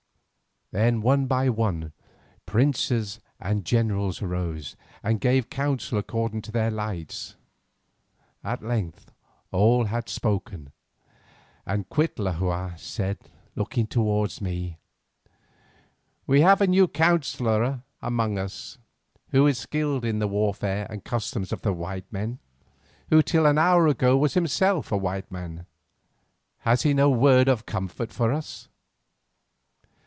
Then one by one princes and generals arose and gave counsel according to their lights. At length all had spoken, and Cuitlahua said, looking towards me: "We have a new counsellor among us, who is skilled in the warfare and customs of the white men, who till an hour ago was himself a white man. Has he no word of comfort for us?"